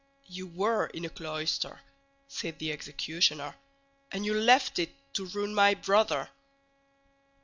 "You were in a cloister," said the executioner, "and you left it to ruin my brother."